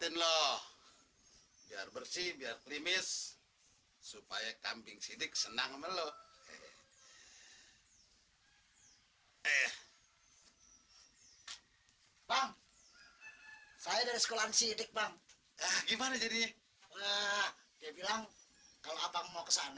nah dia bilang kalau abang mau kesana mau datang ke pepatimnya datang pagi jam sepuluh